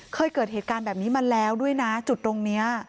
เคยเกิดเหตุการณ์แบบนี้มาแล้วด้วยนะจุดตรงนี้